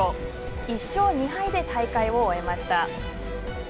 １勝２敗で大会を終えました。